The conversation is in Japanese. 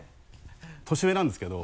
年上なんですけど。